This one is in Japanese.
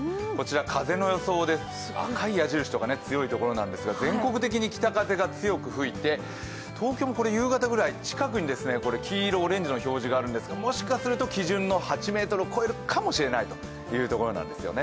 風の予想です、赤い矢印のところが強いところなんですが全国的に北風が強く吹いて東京もこれ、夕方ぐらい、近くに黄色やオレンジの表示があるのでもしかすると基準の８メートルを超えるかもしれないんですね。